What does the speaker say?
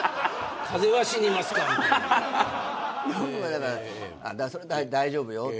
だからそれは大丈夫よって。